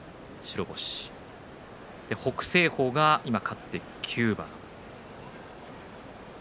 そして北青鵬が今、勝って９番。